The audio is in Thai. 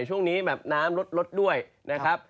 ช่วงนี้แบบน้ำลดด้วยนะครับ